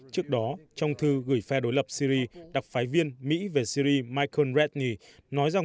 trước đó trong thư gửi phe đối lập syri đặc phái viên mỹ về syri michael redhi nói rằng